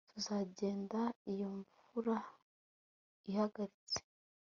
Tuzagenda iyo imvura ihagaritse